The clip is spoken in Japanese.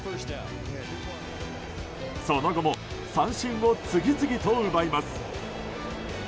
その後も三振を次々と奪います。